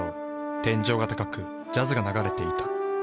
天井が高くジャズが流れていた。